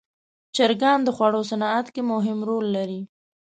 چرګان د خوړو صنعت کې مهم رول لري.